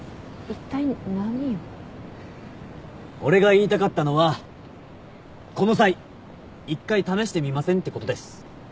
俺が言いたかったのはこの際一回試してみません？ってことです。